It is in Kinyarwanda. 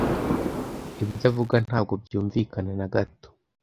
Ibyo avuga ntabwo byumvikana na gato.